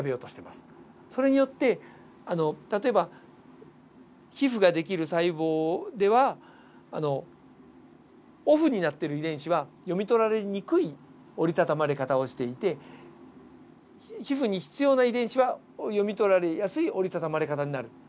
それによって例えば皮膚ができる細胞ではオフになっている遺伝子は読み取られにくい折りたたまれ方をしていて皮膚に必要な遺伝子は読み取られやすい折りたたまれ方になる。